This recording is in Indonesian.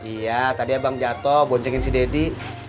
iya tadi abang jatuh boncengin si deddy